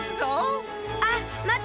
あっ！